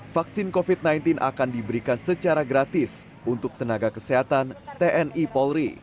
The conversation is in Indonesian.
vaksin covid sembilan belas akan diberikan secara gratis untuk tenaga kesehatan tni polri